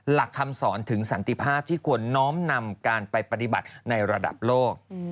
หลักคำสอนถึงสันติภาพที่ควรน้อมนำการไปปฏิบัติในระดับโลก